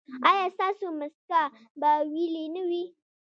ایا ستاسو مسکه به ویلې نه وي؟